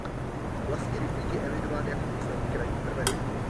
Vlastní rybník je evidován jako významný krajinný prvek.